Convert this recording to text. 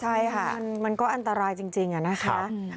ใช่ค่ะมันก็อันตรายจริงอะนะคะ